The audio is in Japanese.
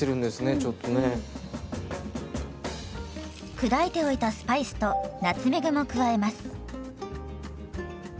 砕いておいたスパイスとナツメグも加えます。